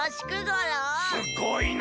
すごいな！